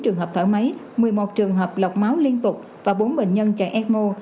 một mươi một trường hợp thở máy một mươi một trường hợp lọc máu liên tục và bốn bệnh nhân chạy ecmo